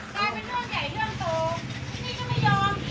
ได้บนเรื่องใหญ่เรื่องตัวตัวนี้ก็ไม่ยอม